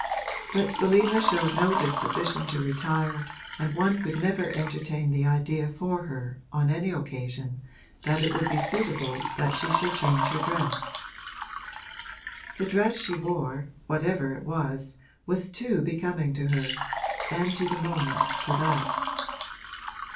But Selina showed no disposition to retire, and one could never entertain the idea for her, on any occasion, that it would be suitable that she should change her dress. The dress she wore whatever it was was too becoming to her, and to the moment, for that.